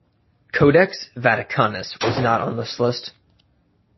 Codex Vaticanus was not on this list.